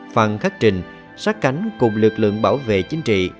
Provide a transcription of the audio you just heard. phạm cát trình sát cánh cùng lực lượng bảo vệ chính trị